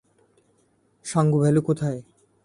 Sangu valley কোথায়?